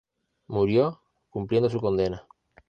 Murió cumpliendo su condena.